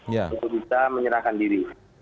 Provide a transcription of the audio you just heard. lalu kita menyerahkan diri